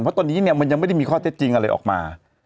เพราะตอนนี้เนี่ยมันยังไม่ได้มีข้อเท็จจริงอะไรออกมา